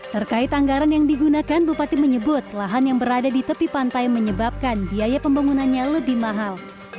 terkait anggaran yang digunakan bupati menyebut lahan yang berada di tepi pantai menyebabkan biaya pembangunannya lebih mahal